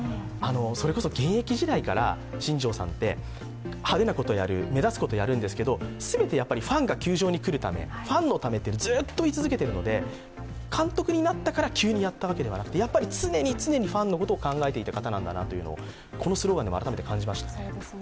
それこそ現役時代から新庄さんは派手なことをやる、目立つことをやるんですけど、全てファンが球場に来るため、ファンのためとずっと言い続けているので監督になったから急にやったわけではなくて、常に常にファンのことを考えていた方なんだということをこのスローガンでも改めて感じました。